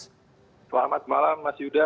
selamat malam mas yuda